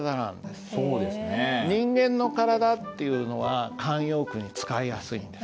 人間のからだっていうのは慣用句に使いやすいんです。